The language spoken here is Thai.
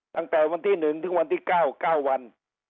ตั้งแต่วันที่หนึ่งถึงวันที่เก้าเก้าวัน